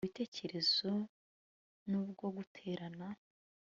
ibitekerezo n'ubwo guterana